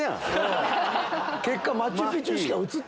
結果。